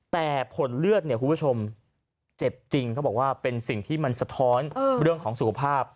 แต่ผลเลือดเนี่ยคุณผู้ชมเจ็บจริงเขาบอกว่าเป็นสิ่งที่มันสะท้อนเรื่องของสุขภาพ